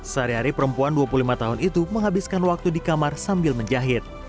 sehari hari perempuan dua puluh lima tahun itu menghabiskan waktu di kamar sambil menjahit